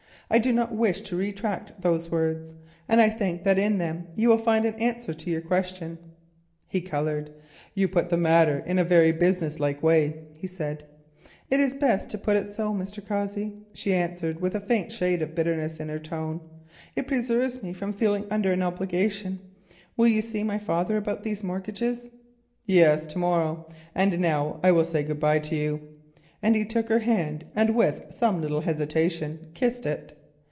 I do not wish to retract those words, and I think that in them you will find an answer to your question." He coloured. "You put the matter in a very business like way," he said. "It is best put so, Mr. Cossey," she answered with a faint shade of bitterness in her tone; "it preserves me from feeling under an obligation—will you see my father about these mortgages?" "Yes, to morrow. And now I will say good bye to you," and he took her hand, and with some little hesitation kissed it.